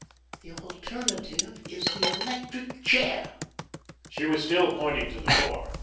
The alternative is the electric chair." She was still pointing to the door.